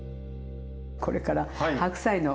これから白菜の。